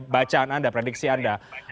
bacaan anda prediksi anda